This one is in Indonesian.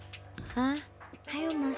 bagaimana kalau kamu mengingat